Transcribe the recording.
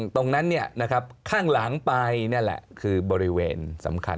ตรงนั้นข้างหลังไปนั่นแหละคือบริเวณสำคัญ